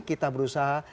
kita berusaha terbentuk